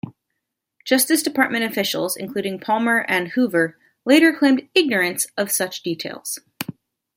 Justice Department officials, including Palmer and Hoover, later claimed ignorance of such details.